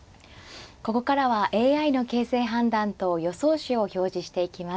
ここからはＡＩの形勢判断と予想手を表示していきます。